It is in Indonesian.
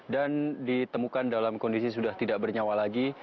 dan ditemukan dalam kondisi sudah tidak bernyawa lagi